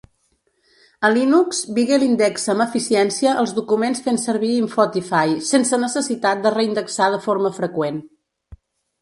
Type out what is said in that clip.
A Linux, Beagle indexa amb eficiència els documents fent servir inotify sense necessitat de reindexar de forma freqüent.